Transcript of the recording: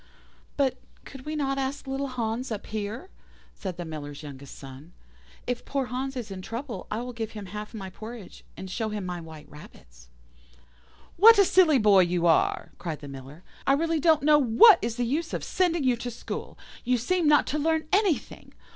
"'But could we not ask little Hans up here?' said the Miller's youngest son. 'If poor Hans is in trouble I will give him half my porridge, and show him my white rabbits.' "'What a silly boy you are!' cried the Miller; 'I really don't know what is the use of sending you to school. You seem not to learn anything.